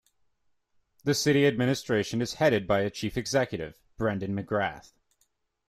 The city administration is headed by a Chief Executive, Brendan McGrath.